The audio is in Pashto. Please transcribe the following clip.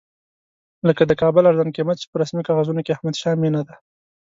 لکه د کابل ارزان قیمت چې په رسمي کاغذونو کې احمدشاه مېنه ده.